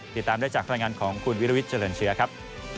ติดตามได้จากรายงานของคุณวิรวิทย์เจริญเชื้อครับ